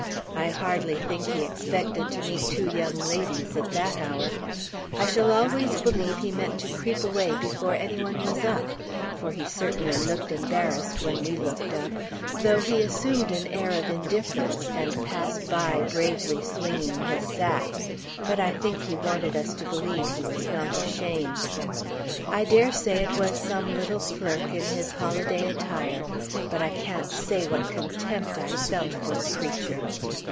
I hardly think he expected to meet two young ladies at that hour; I shall always believe he meant to creep away before any one was up; for he certainly looked embarrassed when we looked up, though he assumed an air of indifference, and passed by bravely swinging his sack but I think he wanted us to believe he was not ashamed. I dare say it was some little clerk in his holiday attire; but I can't say what contempt I felt for the creature.